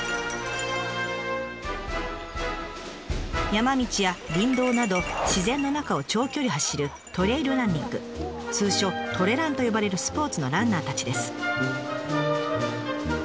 山道や林道など自然の中を長距離走る通称「トレラン」と呼ばれるスポーツのランナーたちです。